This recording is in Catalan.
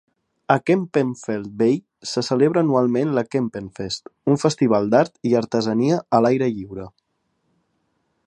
A Kempenfelt Bay se celebra anualment la Kempenfest, un festival d'art i artesania a l'aire lliure.